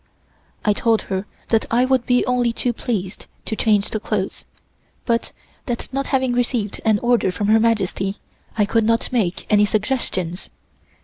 I told her that I would be only too pleased to change the clothes, but that not having received an order from Her Majesty I could not make any suggestions.